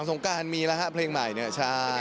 โดมเนี้ยบอกเลยว่าโอ้โห